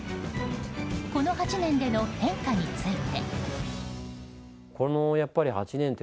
この８年での変化について。